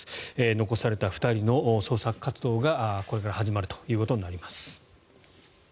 残された２人の捜索活動がこれから始まるということになります。